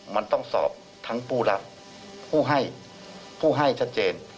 มันต้องสอบทั้งผู้รับผู้ให้ผู้ให้ชัดเจน